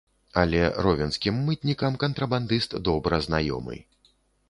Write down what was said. Але ровенскім мытнікам кантрабандыст добра знаёмы.